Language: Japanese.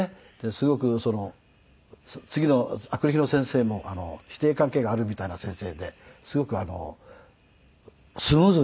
すごく次の明くる日の先生も師弟関係があるみたいな先生ですごくスムーズにいったみたいですね。